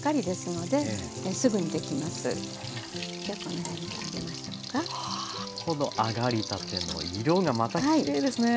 この揚がりたての色がまたきれいですね。